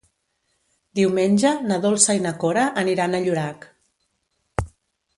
Diumenge na Dolça i na Cora aniran a Llorac.